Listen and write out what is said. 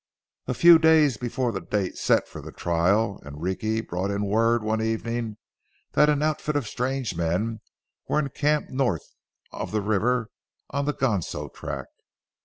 A few days before the date set for the trial, Enrique brought in word one evening that an outfit of strange men were encamped north of the river on the Ganso Tract.